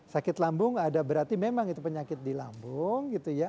sakit lambung ada berarti memang itu penyakit di lambung gitu ya